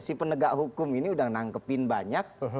si penegak hukum ini sudah menangkap banyak